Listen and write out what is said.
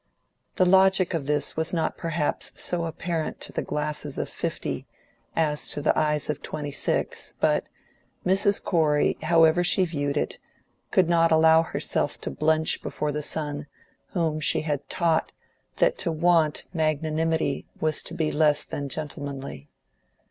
The logic of this was not perhaps so apparent to the glasses of fifty as to the eyes of twenty six; but Mrs. Corey, however she viewed it, could not allow herself to blench before the son whom she had taught that to want magnanimity was to be less than gentlemanly.